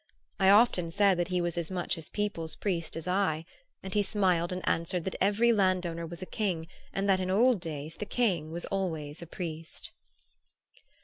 I often said that he was as much his people's priest as I; and he smiled and answered that every landowner was a king and that in old days the king was always a priest.